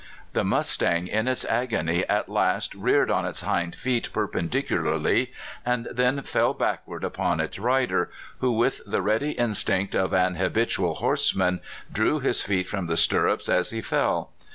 The mustang in its agony at last reared on its hind feet perpendicularly, and then fell backward upon its rider, who, with the ready in stinct of an habitual horseman, drew his feet from the stirrups as he fell.